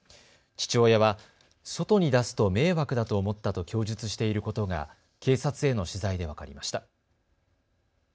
父親は外に出すと迷惑だと思ったと供述していることが警察への取材で分かりました。